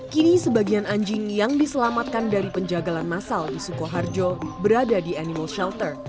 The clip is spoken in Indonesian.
kini sebagian anjing yang diselamatkan dari penjagalan masal di sukoharjo berada di animal shelter